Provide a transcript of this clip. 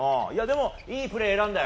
いいプレー選んだよ。